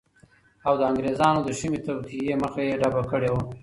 او د انګریزانو د شومی توطیه مخه یی ډبه کړی وه